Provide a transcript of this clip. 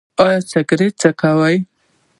ایا سګرټ څکوئ؟